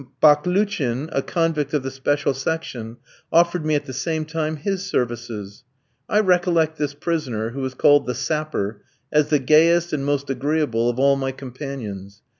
Baklouchin, a convict of the special section, offered me at the same time his services. I recollect this prisoner, who was called the "Sapper," as the gayest and most agreeable of all my companions.